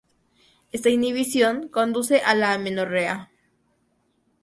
Esta inhibición conduce a la amenorrea.